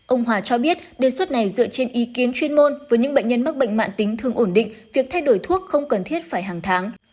ông hòa cho biết đề xuất này dựa trên ý kiến chuyên môn với những bệnh nhân mắc bệnh mạng tính thương ổn định việc thay đổi thuốc không cần thiết phải hàng tháng